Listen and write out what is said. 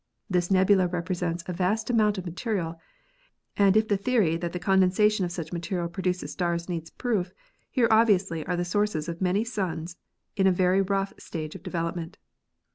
This nebula represents a vast amount of material, and if the theory that the con densation of such material produces stars needs proof, here obviously are the sources of many suns in a very rough stage of development.